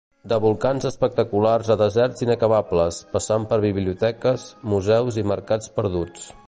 De volcans espectaculars a deserts inacabables, passant per biblioteques, museus i mercats perduts.